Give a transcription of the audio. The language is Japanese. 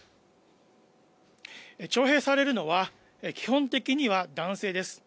徴兵されるのは、基本的には男性です。